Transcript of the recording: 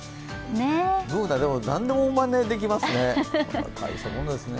Ｂｏｏｎａでも何でもまねできますね、大したもんだね。